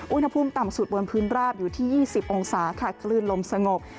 อุณหภูมิต่ำสุดบนพื้นราบอยู่ที่๒๐องศาค่ะคลื่นลมสงบ